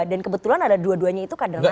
dan kebetulan ada dua duanya itu kadang kadang